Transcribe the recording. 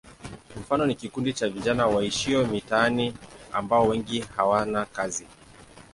Mfano ni kikundi cha vijana waishio mitaani ambao wengi hawana kazi.